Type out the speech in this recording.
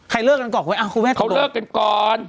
ใครเลิกกันไปก่อนรึเเนี่ยนะครูแหม่โจรสก็เลิกกันก่อน